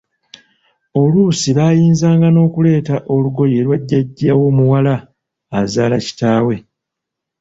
Oluusi baayinzanga n’okuleeta olugoye lwa Jjajja w’omuwala azaala kitaawe.